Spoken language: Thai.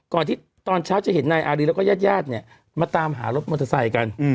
ที่ตอนเช้าจะเห็นนายอารีแล้วก็ญาติญาติเนี่ยมาตามหารถมอเตอร์ไซค์กัน